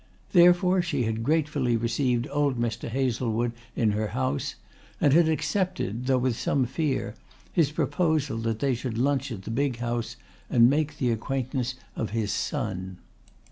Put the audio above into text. Therefore she had gratefully received old Mr. Hazlewood in her house, and had accepted, though with some fear, his proposal that she should lunch at the big house and make the acquaintance of his son.